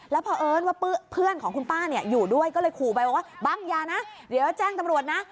แล้วพอเอิญว่าเพื่อนของคุณป้าเนี่ยอยู่ด้วยก็เลยขู่ไปบอกว่าบังอย่านะเดี๋ยวแจ้งตำรวจนะ